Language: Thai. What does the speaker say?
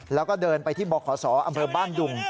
แล้วก็เดินไปที่บขศอำเภอบ้านดุง